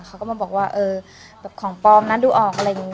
ก็มาบอกว่าของปลอมน่ะดูออก